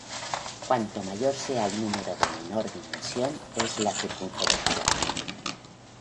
Cuanto mayor sea el número de menor dimensión es la circunferencia.